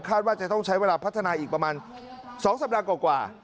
ว่าจะต้องใช้เวลาพัฒนาอีกประมาณ๒สัปดาห์กว่า